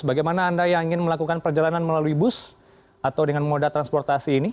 bagaimana anda yang ingin melakukan perjalanan melalui bus atau dengan moda transportasi ini